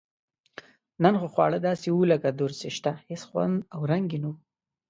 نن خو خواړه داسې و لکه دورسشته هېڅ خوند او رنګ یې نه و.